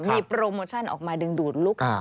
มีโปรโมชั่นออกมาดึงดูดลูกค้า